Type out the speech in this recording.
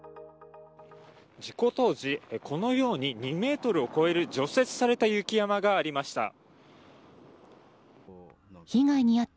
事故当時このように２ｍを超える除雪された雪山がありました。